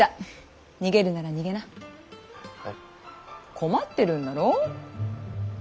困ってるんだろ？